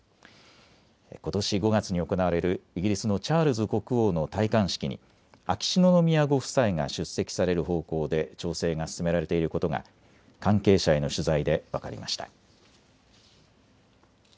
ことし５月に行われるイギリスのチャールズ国王の戴冠式に秋篠宮ご夫妻が出席される方向で調整が進められていることが関係者への取材で分かりました。